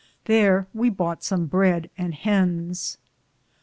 Thare we boughte som breade and hens.